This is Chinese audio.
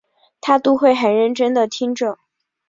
她都会很认真地听着